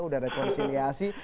sudah ada konsiliasi